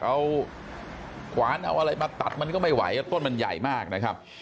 เอาขวานเอาอะไรมาตัดมันก็ไม่ไหวต้นมันใหญ่มากนะครับ